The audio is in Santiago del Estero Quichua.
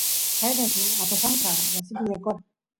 qayna suk apasanka wasipi yaykora